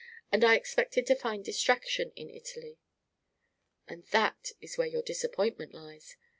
And I expected to find distraction in Italy." "And that is where your disappointment lies.